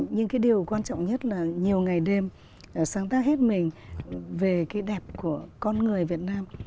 nhưng cái điều quan trọng nhất là nhiều ngày đêm sáng tác hết mình về cái đẹp của con người việt nam